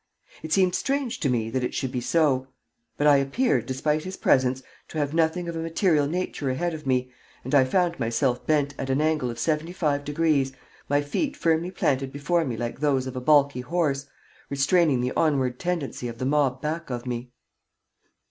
It seemed strange that it should be so, but I appeared, despite his presence, to have nothing of a material nature ahead of me, and I found myself bent at an angle of seventy five degrees, my feet firmly planted before me like those of a balky horse, restraining the onward tendency of the mob back of me.